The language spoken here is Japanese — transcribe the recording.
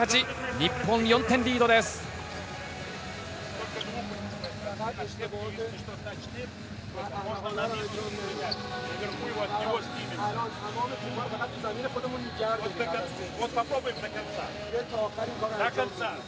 日本４点リードです。